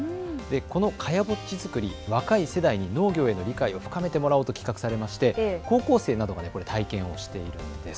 この茅ボッチ作り、若い世代に農業への理解を深めてもらおうと企画されまして高校生などが体験をしているものです。